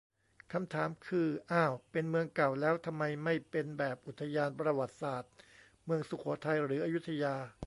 คำถามคือ อ้าวเป็นเมืองเก่าแล้วทำไมไม่เป็นแบบอุทยานประวัติศาสตร์ เมืองสุโขทัย หรืออยุธยา